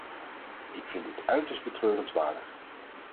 Ik vind dit uiterst betreurenswaardig.